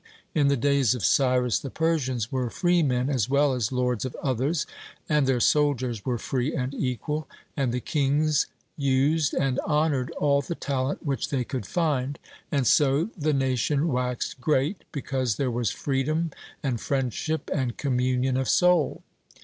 In the days of Cyrus the Persians were freemen as well as lords of others, and their soldiers were free and equal, and the kings used and honoured all the talent which they could find, and so the nation waxed great, because there was freedom and friendship and communion of soul.